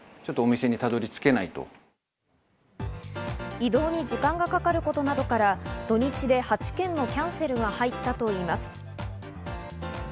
移動に時間がかかることなどから土日で８件のキャンセルが入ったといいます。